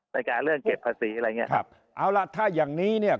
แก่เรื่องเก็บภาษีอะไรอย่างเงี้ครับเอาล่ะถ้าอย่างนี้เนี่ย